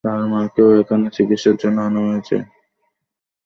তার মাকেও এখানে চিকিৎসার জন্য আনা হয়েছে, এটা তাকে বলা হয়নি।